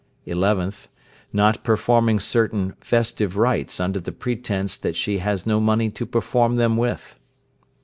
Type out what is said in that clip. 11th. Not performing certain festive rites under the pretence that she has no money to perform them with.